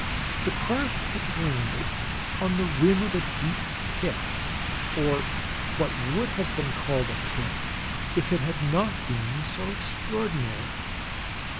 The craft had landed on the rim of a deep pit, or what would have been called a pit if it had not been so extraordinary.